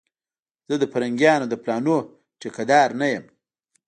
زه د پرنګيانو د پلانونو ټيکه دار نه یم